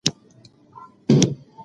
زه هره شپه تر خوب وړاندې لږ ګرځم.